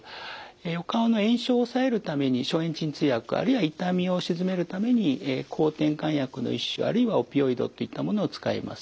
お顔の炎症を抑えるために消炎鎮痛薬あるいは痛みを鎮めるために抗てんかん薬の一種あるいはオピオイドといったものを使います。